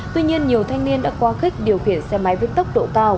tuy nhiên nhiều thanh niên đã qua khích điều khiển xe máy với tốc độ cao